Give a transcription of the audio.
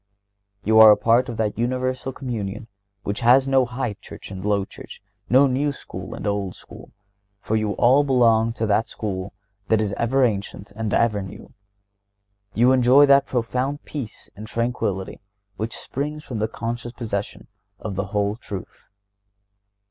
(131) You are a part of that universal Communion which has no "High Church" and "Low Church;" no "New School" and "Old School," for you all belong to that School which is "ever ancient and ever new." You enjoy that profound peace and tranquillity which springs from the conscious possession of the whole truth.